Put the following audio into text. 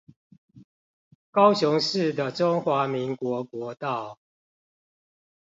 高雄市的中華民國國道